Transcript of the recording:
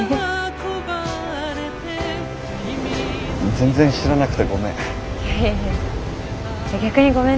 全然知らなくてごめん。